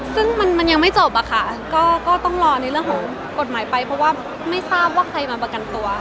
ซึ่งมันยังไม่จบอะค่ะก็ต้องรอในเรื่องของกฎหมายไปเพราะว่าไม่ทราบว่าใครมาประกันตัว